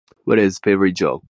What is favorite job?